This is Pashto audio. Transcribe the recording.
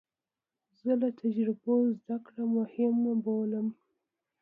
زه له تجربو زده کړه مهمه بولم.